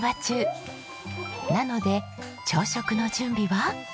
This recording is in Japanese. なので朝食の準備は。